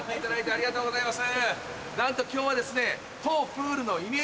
ありがとうございます！